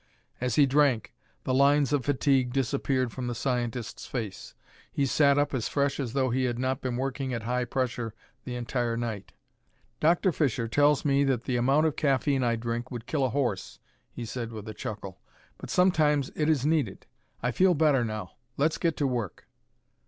As he drank, the lines of fatigue disappeared from the scientist's face. He sat up as fresh as though he had not been working at high pressure the entire night. "Dr. Fisher tells me that the amount of caffeine I drink would kill a horse," he said with a chuckle; "but sometimes it is needed. I feel better now. Let's get to work."